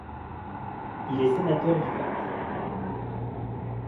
Il est sénateur du Var.